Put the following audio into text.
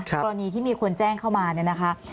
กรณีที่มีคนแจ้งเข้ามาเนี่ยนะคะ